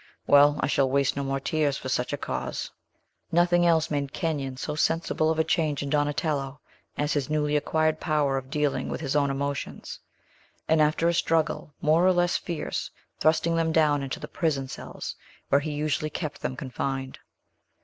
Well; I shall waste no more tears for such a cause!" Nothing else made Kenyon so sensible of a change in Donatello, as his newly acquired power of dealing with his own emotions, and, after a struggle more or less fierce, thrusting them down into the prison cells where he usually kept them confined.